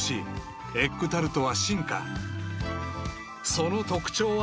［その特徴は？］